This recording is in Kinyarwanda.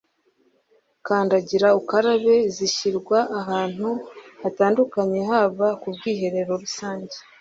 Kandagira Ukarabe” zishyirwa ahantu hatandukakanye haba k’ubwiherero rusange